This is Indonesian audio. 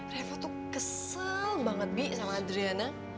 revo tuh kesel banget bi sama adriana